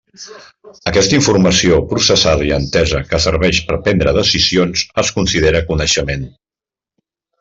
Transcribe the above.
Aquesta informació processada i entesa que serveix per prendre decisions es considera coneixement.